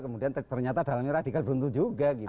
kemudian ternyata dalamnya radikal bentuk juga gitu ya